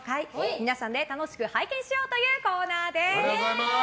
皆さんで楽しく拝見しようというコーナーです。